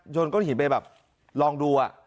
โยนก้อนหินไปแบบลองดูอะ